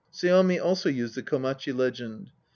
Seami also used the Komachi legend.